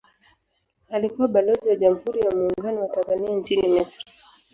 Alikuwa Balozi wa Jamhuri ya Muungano wa Tanzania nchini Misri